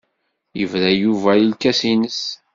Yebra Yuba i lkas-nnes.